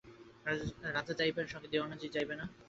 রাজা যাইবেন, সঙ্গে দেওয়ানজি যাইবে না?